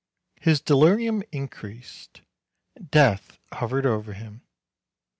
His delirium increased ; death hovered over him.